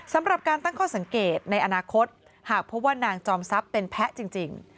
สำหรับการตั้งข้อสังเกตในอนาคตหากพบว่านางจอมทรัพย์เป็นแพ้จริง